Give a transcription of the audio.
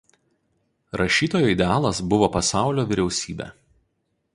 Rašytojo idealas buvo Pasaulio vyriausybė.